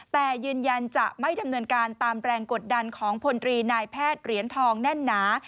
แต่ยืนยันจะไม่ดำเนินการตามแรงกดดันของพลตรีนายแพทย์เหรียญทองแน่นหนา